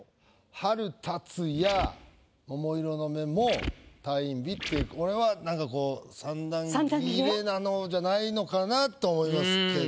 「春立つや桃色のメモ退院日」って俺はなんかこうじゃないのかなと思いますけど。